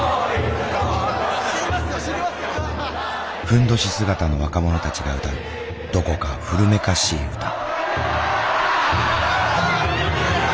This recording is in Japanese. ふんどし姿の若者たちが歌うどこか古めかしい歌。